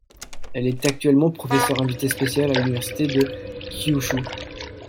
Elle est actuellement professeur invitée spéciale à l'université de Kyūshū.